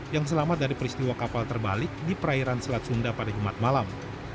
yang selamat dari peristiwa kapal terbalik di perairan selat sunda pada jumat malam